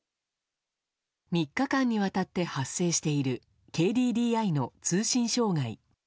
３日間にわたって発生しているＫＤＤＩの通信障害。